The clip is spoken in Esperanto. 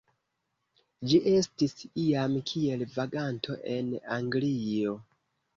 Ĝi estis iam kiel vaganto en Anglio.